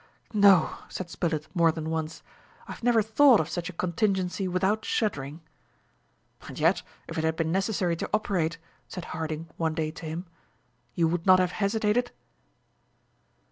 "No," said Spilett more than once, "I have never thought of such a contingency without shuddering!" "And yet, if it had been necessary to operate," said Harding one day to him, "you would not have hesitated?"